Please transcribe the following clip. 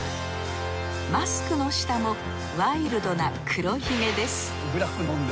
マスクの下もワイルドな黒ヒゲです。